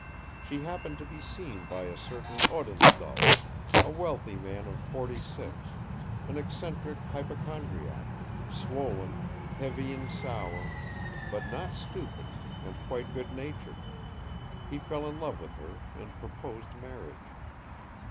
She happened to be seen by a certain Odintsov, a wealthy man of forty six, an eccentric hypochondriac, swollen, heavy and sour, but not stupid and quite good natured; he fell in love with her and proposed marriage.